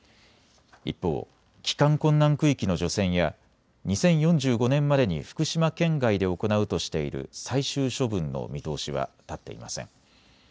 一方、帰還困難区域の除染や２０４５年までに福島県外で行うとしている最終処分の見通しは立っていません。